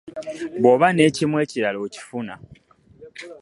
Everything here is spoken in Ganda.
Bw'oba n'ekimu ekirala okifuna.